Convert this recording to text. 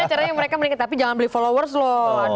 tapi caranya mereka meningkat tapi jangan beli followers loh